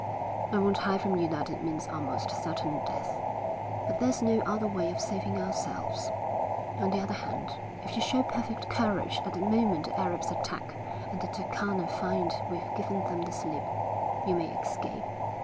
'I won't hide from you that it means almost certain death. But there's no other way of saving ourselves. On the other hand, if you show perfect courage at the moment the Arabs attack and the Turkana find we've given them the slip, you may escape.